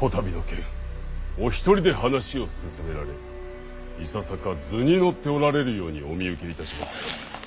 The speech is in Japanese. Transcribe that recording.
こたびの件お一人で話を進められいささか図に乗っておられるようにお見受けいたしますが。